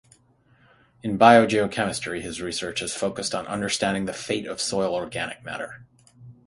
In biogeochemistry his research has focused on understanding the fate of soil organic matter.